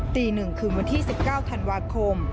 ตี๑คืนวันที่๑๙ธันวาคม